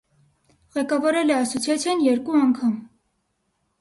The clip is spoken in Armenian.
Ղեկավարել է ասոցիացիան երկու անգամ։